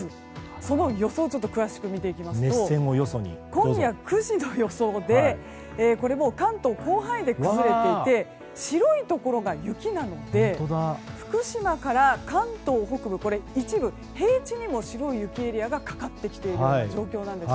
その予想を詳しく見ていきますと今夜９時の予想で関東、広範囲で崩れていて白いところが雪なので福島から関東北部一部、平地にも白い雪エリアがかかってきている状況なんです。